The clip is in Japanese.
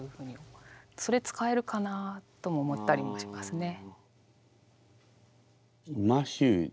それ使えるかなとも思ったりもしますね。